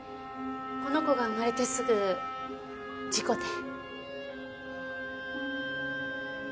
この子が生まれてすぐ事故で。